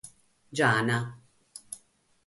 Giana